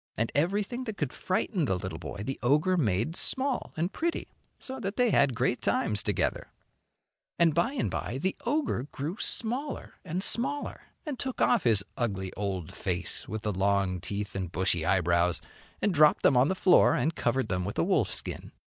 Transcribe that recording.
And everything that could frighten the little boy the ogre made small and pretty, so that they had great times together. 176 THROUGH FAIRY HALLS And by and by the ogre grew smaller and smaller, and took off his ugly old face with the long teeth and bushy eyebrows and dropped them on the floor and covered them with a wolf skin.